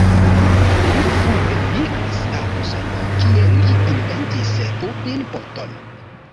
Li frue migris al Usono, kie li inventis Pupin-poton.